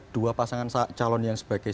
dua pasangan calon yang sebagai